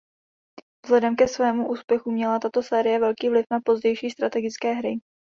Vzhledem ke svému úspěchu měla tato série velký vliv na pozdější strategické hry.